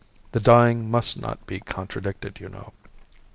The dying must not be contradicted, you know.